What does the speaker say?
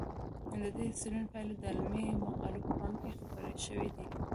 د دې څېړنو پایلې د علمي مقالو په بانک کې خپرې شوي دي.